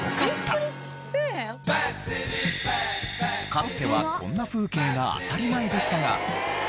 かつてはこんな風景が当たり前でしたが。